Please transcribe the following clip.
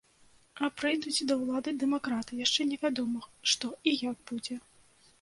А прыйдуць да ўлады дэмакраты, яшчэ невядома, што і як будзе.